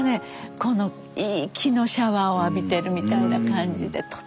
このいい気のシャワーを浴びてるみたいな感じでとってもいい時間でした。